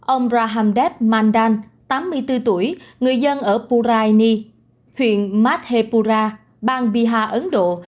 ông rahamdev mandan tám mươi bốn tuổi người dân ở puraini huyện mathepura bang bihar ấn độ